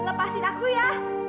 lepasin aku ya